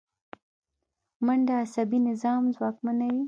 منډه عصبي نظام ځواکمنوي